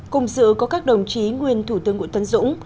cùng dự có các đồng chí nguyên thủ tướng nguyễn tấn dũng